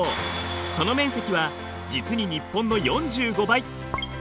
その面積は実に日本の４５倍！